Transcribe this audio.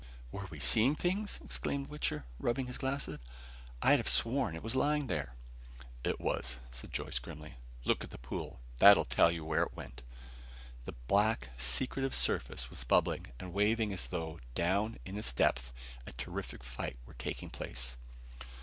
"Were we seeing things?" exclaimed Wichter, rubbing his glasses. "I'd have sworn it was lying there!" "It was," said Joyce grimly. "Look at the pool. That'll tell you where it went." The black, secretive surface was bubbling and waving as though, down in its depths, a terrific fight were taking place.